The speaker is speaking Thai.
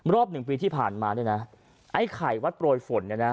รอบหนึ่งปีที่ผ่านมาเนี่ยนะไอ้ไข่วัดโปรยฝนเนี่ยนะ